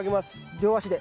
両足で。